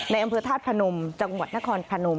อำเภอธาตุพนมจังหวัดนครพนม